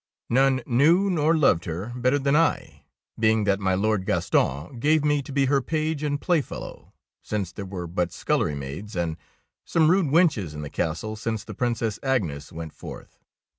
None knew nor loved her better than I, being that my Lord Gaston gave me to be her page and playfellow, since there were but scullery maids and some rude wenches in the castle since the Princess Agnes went forth.